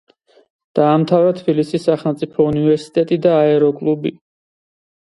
დაამთავრა თბილისის სახელმწიფო უნივერსიტეტი და აეროკლუბი.